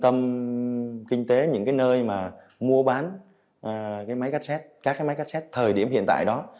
trung tâm kinh tế những cái nơi mà mua bán các cái máy cassette thời điểm hiện tại đó